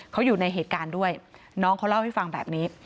เขาอยู่ในเหตุการณ์ด้วยน้องเขาเล่าให้ฟังแบบนี้